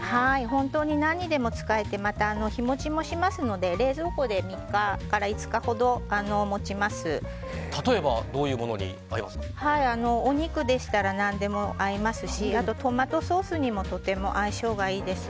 本当に何にでも使えて日持ちもしますので冷蔵庫で３日から５日ほど例えばお肉でしたら何でも合いますしトマトソースにもとても相性がいいです。